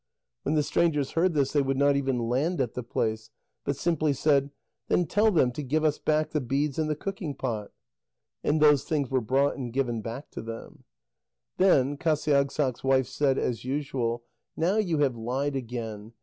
When the strangers heard this, they would not even land at the place, but simply said: "Then tell them to give us back the beads and the cooking pot." And those things were brought, and given back to them. Then Qasiagssaq's wife said as usual: "Now you have lied again.